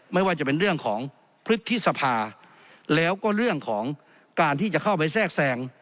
ไม่ว่าจะเป็นเรื่องของพฤษภาแล้วก็เรื่องของการที่จะเข้าไปแทรกแทรง